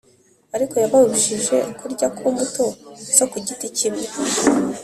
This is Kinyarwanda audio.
arko yababujije kurya ku mbuto zo ku giti kimwe,